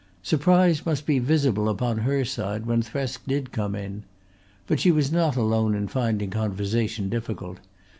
Surprise must be visible upon her side when Thresk did come in. But she was not alone in finding conversation difficult.